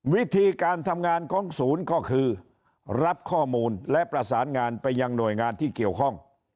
วิธีการทำงานของศูนย์ก็คือรับข้อมูลและประสานงานไปยังหน่วยงานที่เกี่ยวข้อง